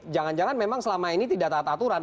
jangan jangan memang selama ini tidak taat aturan